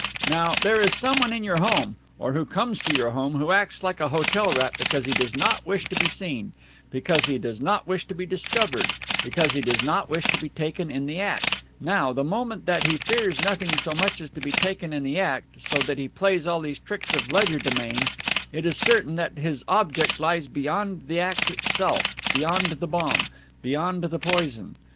Now, there is someone in your home (or who comes to your home) who acts like a hotel rat because he does not wish to be seen, because he does not wish to be discovered, because he does not wish to be taken in the act. Now, the moment that he fears nothing so much as to be taken in the act, so that he plays all these tricks of legerdemain, it is certain that his object lies beyond the act itself, beyond the bomb, beyond the poison.